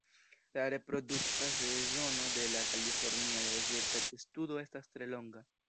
La reprodukta sezono de la Kalifornia dezerta testudo estas tre longa.